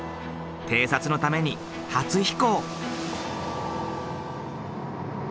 偵察のために初飛行。